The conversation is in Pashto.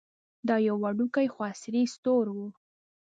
دا یو وړوکی خو عصري سټور و.